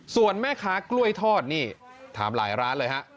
ส่วนแม่ค้ากล้วยทอดนี่ถามหลายร้านเลยฮะ